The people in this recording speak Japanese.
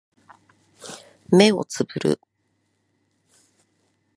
目をつぶる